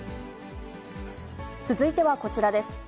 続いてはこちらです。